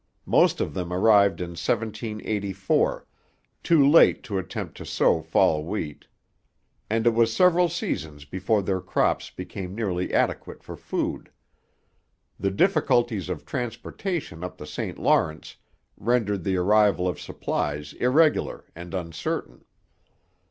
Most of them arrived in 1784, too late to attempt to sow fall wheat; and it was several seasons before their crops became nearly adequate for food. The difficulties of transportation up the St Lawrence rendered the arrival of supplies irregular and uncertain.